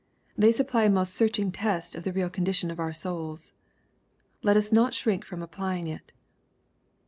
They supply a most searching test of the real condition of our souls. Let us not shrink from applying it.